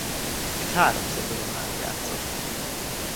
Itt három szezonon át játszott.